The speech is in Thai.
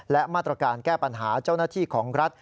และมาตรการแก้ปัญหาเจ้าหน้าที่ของรัฐ